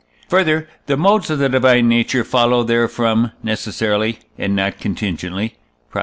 Further, the modes of the divine nature follow therefrom necessarily, and not contingently (Prop.